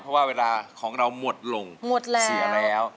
เพราะว่าเวลาของเรามดลงเสียแล้ว